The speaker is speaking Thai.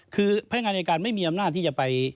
คือพนักงานอายการไม่มีอำนาจที่จะไป